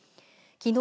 きのう